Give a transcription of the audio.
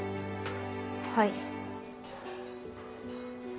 はい。